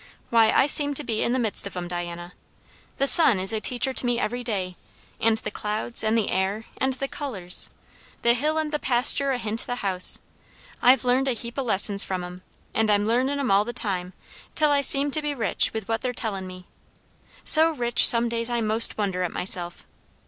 Why, I seem to be in the midst of 'em, Diana. The sun is a teacher to me every day; and the clouds, and the air, and the colours. The hill and the pasture ahint the house, I've learned a heap of lessons from 'em. And I'm learnin' 'em all the time, till I seem to be rich with what they're tellin' me. So rich, some days I 'most wonder at myself.